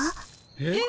えっ？